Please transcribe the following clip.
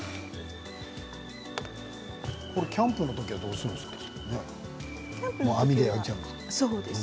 キャンプのときにはどうしているんですか？